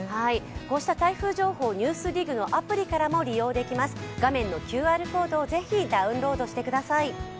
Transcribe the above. こうした台風情報、ＮＥＷＳＤＩＧのアプリからも利用できます、画面のＱＲコードを是非ご覧ください。